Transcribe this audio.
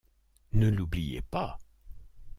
Ne l’oubliez pas !…